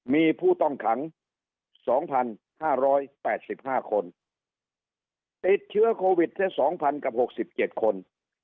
มีผู้ต้องขังสองพันห้าร้อยแปดสิบห้าคนติดเชื้อโควิดแค่สองพันกับหกสิบเจ็ดคน